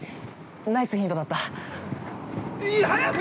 ナイスヒントだった！